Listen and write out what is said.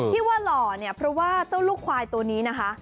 ที่ว่าหล่อเนี่ยเพราะว่าเจ้าลูกควายตัวนี้นะคะ